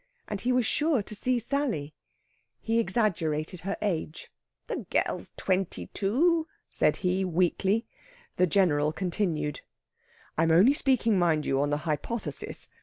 And he was sure to see Sally. He exaggerated her age. "The gyairl's twenty two," said he weakly. The General continued: "I'm only speaking, mind you, on the hypothesis....